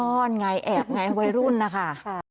ซ่อนไงแอบไงไว้รุ่นนะคะ